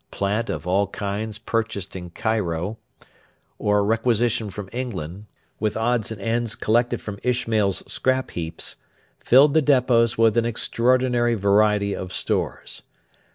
Plant of all kinds purchased in Cairo or requisitioned from England, with odds and ends collected from Ishmail's scrap heaps, filled the depots with an extraordinary variety of stores.